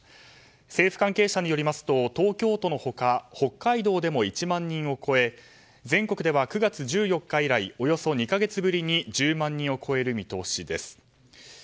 政府関係者によりますと東京都の他北海道でも１万人を超え全国では９月１４日以来およそ２か月ぶりに１０万人を超える見通しです。